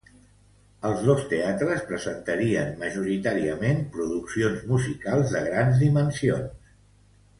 Els dos teatres presentarien majoritàriament produccions musicals de grans dimensions.